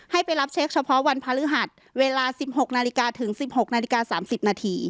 ให้ไปรับเช็คเฉพาะวันพฤหัสเวลา๑๖นาฬิกาถึง๑๖นาฬิกา๓๐นาที